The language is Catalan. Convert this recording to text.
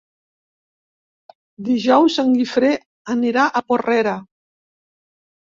Dijous en Guifré anirà a Porrera.